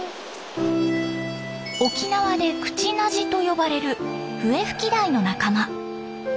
沖縄でクチナジと呼ばれるフエフキダイの仲間。